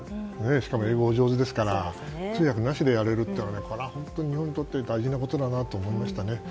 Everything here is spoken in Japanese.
しかも英語がお上手ですから通訳なしでやれるというのは本当に日本にとって大事なことだなと思いましたね。